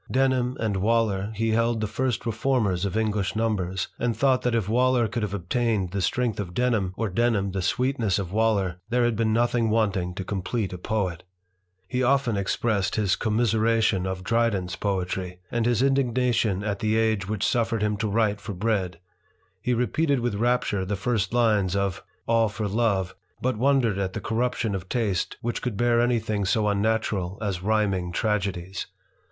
Denham and Waller he held the first reformers of English numbers ; and thought that if Waller could have obtained the strength of Denham, or Denham the sweetness of « Waller, there had been nothing wanting to complete a poet He often expressed his commiseration of Dryden's poverty, and his indignation at the age which suffered him to write for bread; he repeated with rapture the first lines of All for Love, but wondered at the corruption of taste which could bear anything so unnatural as rhyming tragedies.